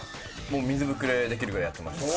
もう水ぶくれできるぐらいやってました。